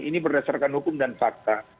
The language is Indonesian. ini berdasarkan hukum dan fakta